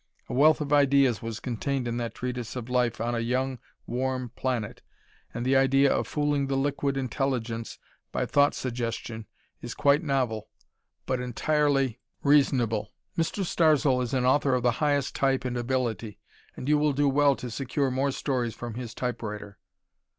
A wealth of ideas was contained in that treatise of life on a young, warm planet, and the idea of fooling the liquid intelligence by thought suggestion is quite novel but entirely reasonable. Mr. Starzl is an author of the highest type and ability, and you will do well to secure more stories from his typewriter.